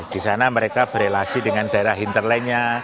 di sana mereka berrelasi dengan daerah hinterlandnya